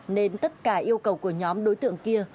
nên tất cả yêu cầu của nhóm đối tượng kia